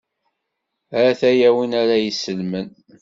A-t-aya win ara y-isellmen.